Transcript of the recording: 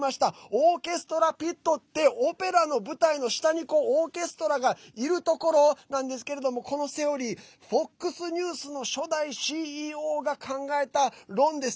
オーケストラピットってオペラの舞台の下にオーケストラがいるところなんですけれどもこのセオリーＦＯＸニュースの初代ＣＥＯが考えた論です。